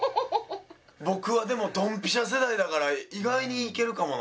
僕はでもドンピシャ世代だから意外にいけるかもな。